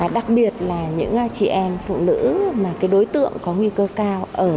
đặc biệt là những chị em phụ nữ đối tượng có nguy cơ cao